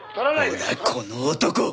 ほらこの男！